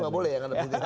oh gak boleh ya